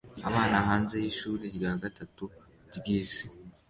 Abana hanze yishuri rya gatatu ryisi